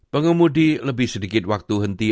pengemudi lebih sedikit waktu henti